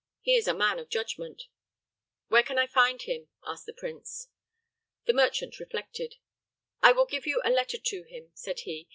He is a man of judgment." "Where can I find him?" asked the prince. The merchant reflected. "I will give you a letter to him," said he.